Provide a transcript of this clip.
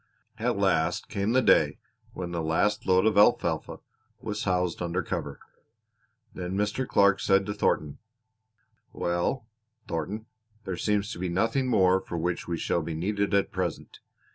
At last came the day when the last load of alfalfa was housed under cover; then Mr. Clark said to Thornton: "Well, Thornton, there seems to be nothing more for which we shall be needed at present.